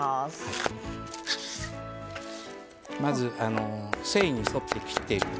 まず繊維に沿って切っていくと。